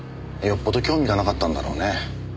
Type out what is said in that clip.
よっぽど興味がなかったんだろうね。